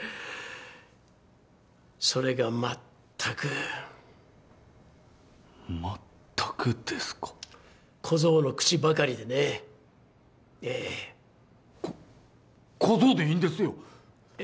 それがまったくまったくですか小僧の口ばかりでねええこ小僧でいいんですよええ？